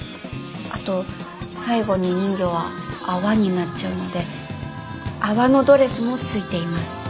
あと最後に人魚は泡になっちゃうので泡のドレスも付いています。